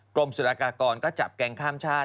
กรมสูตรากากรก็จับแกงข้ามชาติ